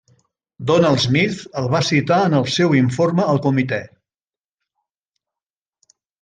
Donald Smith el va citar en el seu informe al Comitè.